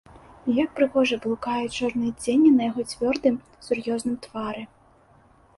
І як прыгожа блукаюць чорныя цені на яго цвёрдым, сур'ёзным твары!